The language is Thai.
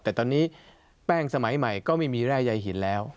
แต่ตอนนี้แป้งสมัยใหม่ก็ไม่มีแร่ใยหินแล้ว